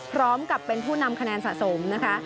พร้อมกับเป็นผู้นำคะแนนสะสมนะคะ